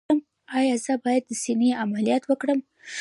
ایا زه باید د سینې عملیات وکړم؟